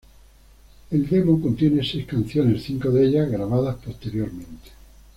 El demo contiene seis canciones, cinco de ellas grabadas posteriormente.